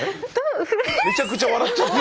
めちゃくちゃ笑っちゃって。